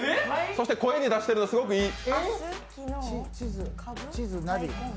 そして声に出しているのはすごくいい。